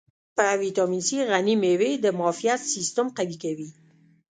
په ویټامین C غني مېوې د معافیت سیستم قوي کوي.